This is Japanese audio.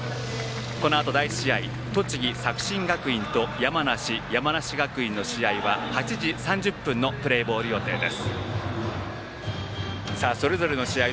このあと第１打席栃木・作新学院と山梨・山梨学院の試合は８時３０分のプレーボール予定です。